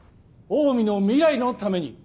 オウミの未来のために。